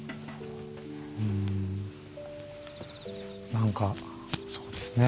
何かそうですね。